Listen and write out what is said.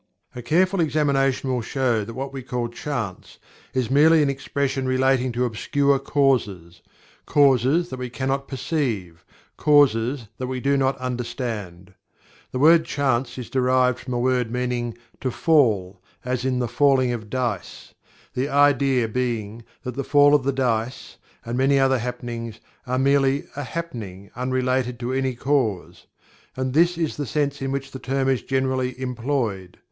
A careful examination will show that what we call "Chance" is merely an expression relating to obscure causes; causes that we cannot perceive; causes that we cannot understand. The word Chance is derived from a word Meaning "to fall" (as the falling of dice), the idea being that the fall of the dice (and many other happenings) are merely a "happening" unrelated to any cause. And this is the sense in which the term is generally employed.